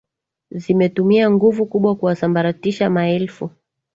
zimetumia nguvu kubwa kuwasambaratisha ma elfu